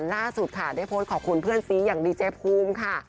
ล่าสุดค่ะได้โพสต์ขอบคุณเพื่อนซีอย่างดีเจภูมิค่ะ